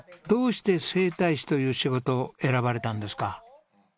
どうして整体師という仕事を選ばれたんですか？